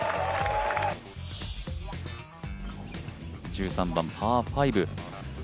１３番、パー５。